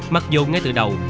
mặc dù ngay từ đầu